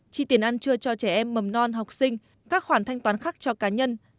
chi tiền ăn trưa cho trẻ em mầm non học sinh các khoản thanh toán khác cho cá nhân